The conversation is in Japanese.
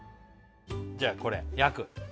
じゃあこれ焼く？